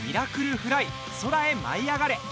フライ空へ舞いあがれ」。